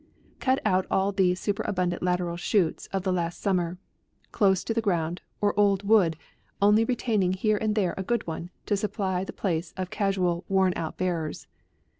Cut out all the superabundant lateral shoots of the last summer, close to the ground, or old wood, only retaining here and there a good one, to supply the place of casual, worn out bearers.